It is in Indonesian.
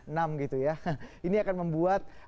enam gitu ya ini akan membuat